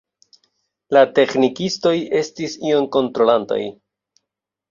La teĥnikistoj estis ion kontrolantaj.